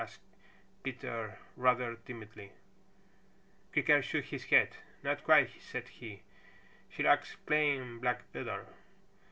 asked Peter rather timidly. Creaker shook his head. "Not quite," said he. "She likes plain black better.